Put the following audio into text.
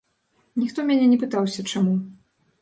Ніхто мяне не пытаўся, чаму.